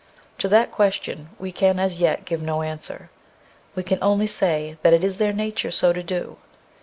To that question we can as yet give no answer. We can only say that it is their nature so to do.